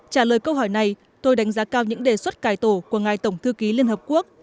trả lời câu hỏi này tôi đánh giá cao những đề xuất cải tổ của ngài tổng thư ký liên hợp quốc